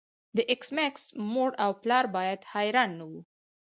د ایس میکس مور او پلار بیا حیران نه وو